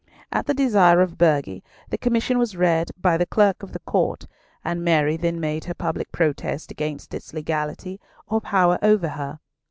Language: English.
At the desire of Burghley, the commission was read by the Clerk of the Court, and Mary then made her public protest against its legality, or power over her.